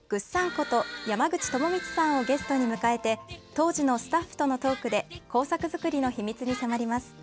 こと山口智充さんをゲストに迎えて当時のスタッフとのトークで工作づくりの秘密に迫ります。